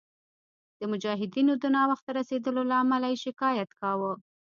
د مجاهدینو د ناوخته رسېدلو له امله یې شکایت کاوه.